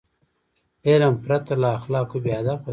علم پرته له اخلاقو بېهدفه دی.